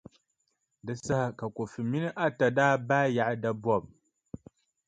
Di saha ka Kofi mini Atta daa baai yaɣi dabɔbʼ.